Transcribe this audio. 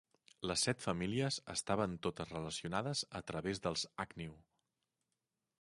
Les set famílies estaven totes relacionades a través dels Agnew.